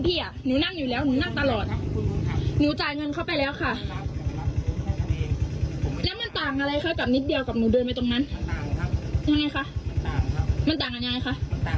พี่ไปเลยเพราะว่าหนูจ่ายเงินให้พี่แล้วรบโกนด้วยนะคะ